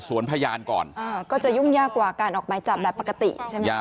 พยานก่อนก็จะยุ่งยากกว่าการออกหมายจับแบบปกติใช่ไหมครับ